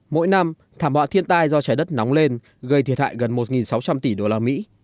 mỗi năm thảm họa thiên tai do trái đất nóng lên gây thiệt hại gần một sáu trăm linh tỷ đô la mỹ